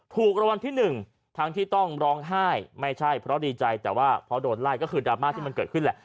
ผมดีใจแต่ว่าพอโดนไล่ก็คือดราม่าที่มันเกิดขึ้นแหละ